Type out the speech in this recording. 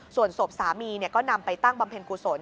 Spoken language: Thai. ส่วนศพสามีก็นำไปตั้งบำเพ็ญกุศล